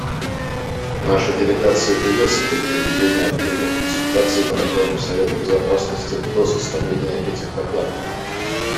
Наша делегация приветствует проведение открытых консультаций по докладам Совета Безопасности до составления этих докладов.